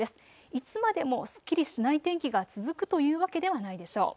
いつまでもすっきりしない天気が続くというわけではないでしょう。